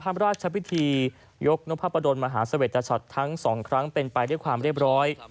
กราบว่าการซักซ้อมพระราชวิธียกนพระประดนมหาเสวริตชัดทั้งสองครั้งเป็นไปด้วยความเร็บร้อย